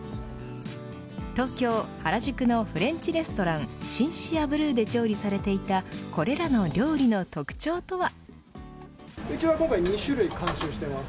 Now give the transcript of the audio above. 東京、原宿のフレンチレストランシンシアブルーで調理されていたこれらの料理の特徴とは。